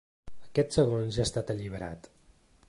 Aquest segon ja ha estat alliberat.